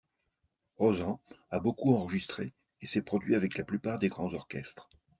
Rosand a beaucoup enregistré et s'est produit avec la plupart des grands orchestres.